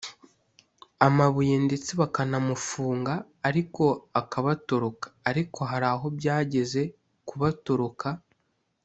amabuye ndetse bakanamufunga ariko akabatoroka, ariko hari aho byageze kubatoroka